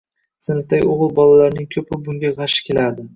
Sinfdagi o‘g‘il bolalarning ko‘pi bunga g‘ashi kelardi.